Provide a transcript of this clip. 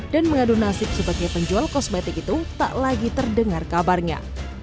dan mengadu nasib sebagai penjual kosmetik itu tak lagi terdengar kabarnya